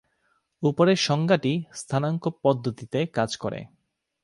উপরের সংজ্ঞাটি স্থানাঙ্ক পদ্ধতিতে কাজ করে।